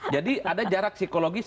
jadi ada jarak psikologis